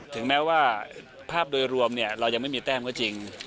ถึงแม้ว่าภาพโดยรวมเรายังไม่มีแต้มก็จริง